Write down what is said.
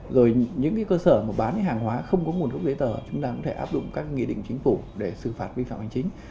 rồi những cơ sở mà bán hàng hóa không có nguồn gốc giấy tờ chúng ta có thể áp dụng các nghị định chính phủ để xử phạt vi phạm hành chính